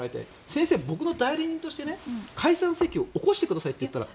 先生、僕の代理人として解散請求を起こしてくださいと言ったら。